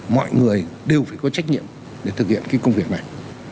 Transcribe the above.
mọi người đều phải có trách nhiệm để thực hiện cái công việc này